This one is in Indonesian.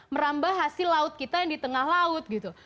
merambah hasil laut kita yang di tengah laut gitu